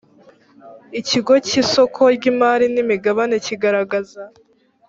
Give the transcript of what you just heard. ikigo cy isoko ry imari n imigabane kigaragaza